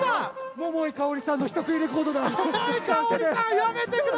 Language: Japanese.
桃井かおりさんの人食いレコードだ。